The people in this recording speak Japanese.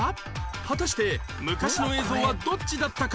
果たして昔の映像はどっちだったか？